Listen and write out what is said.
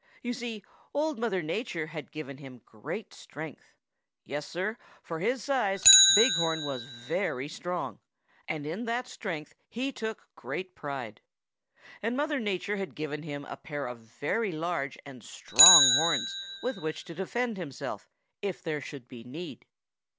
You see Old Mother Nature had given him great strength. Yes, Sir, for his size Big Horn was very strong, and in that strength be took great pride. And Mother Nature had given him a pair of very large and strong horns with which to defend himself if there should be need.